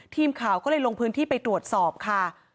ทีมข่าวก็เลยลงพื้นที่ไปตรวจสอบค่ะ